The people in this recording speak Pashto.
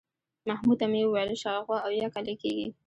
محمود ته مې وویل شاوخوا اویا کاله کېږي.